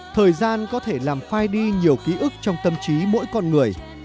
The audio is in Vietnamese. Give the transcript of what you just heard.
thời gian có thể làm phai đi nhiều ký ức trong tâm trí mỗi con người